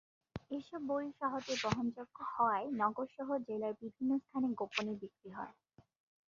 এসব বড়ি সহজে বহনযোগ্য হওয়ায় নগরসহ জেলার বিভিন্ন স্থানে গোপনে বিক্রি হয়।